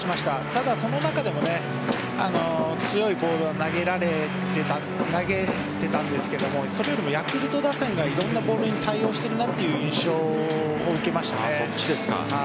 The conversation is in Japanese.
ただ、その中でも強いボールを投げていたんですがそれよりもヤクルト打線がいろんなボールに対応しているなという印象を受けました。